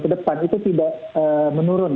ke depan itu tidak menurun